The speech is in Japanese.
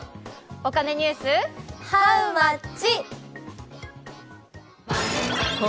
お金ニュース、ハウマッチ。